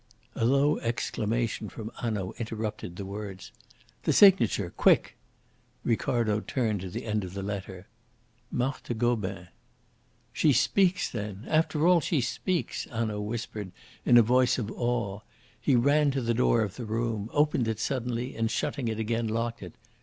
A low exclamation from Hanaud interrupted the words. "The signature! Quick!" Ricardo turned to the end of the letter. "Marthe Gobin." "She speaks, then! After all she speaks!" Hanaud whispered in a voice of awe. He ran to the door of the room, opened it suddenly, and, shutting it again, locked it.